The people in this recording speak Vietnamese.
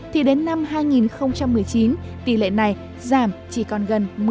thì đến năm hai nghìn một mươi chín tỷ lệ này giảm chỉ còn gần một mươi chín sáu